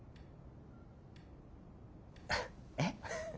えっ？